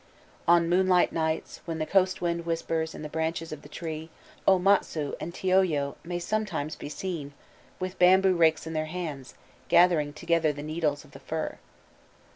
"On moonlight nights, when the coast wind whispers in the branches of the tree, O Matsue and Teoyo may sometimes be seen, with bamboo rakes in their hands, gathering together the needles of the fir."